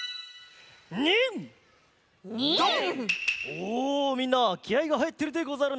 おみんなきあいがはいってるでござるな。